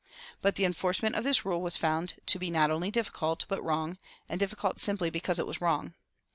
But the enforcement of this rule was found to be not only difficult, but wrong, and difficult simply because it was wrong.